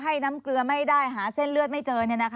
ให้น้ำเกลือไม่ได้หาเส้นเลือดไม่เจอ